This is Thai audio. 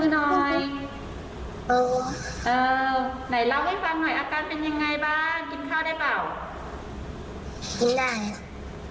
หน่อยเล่าให้ฟังหน่อยอาการเป็นยังไงบ้างกินข้าวได้เปล่า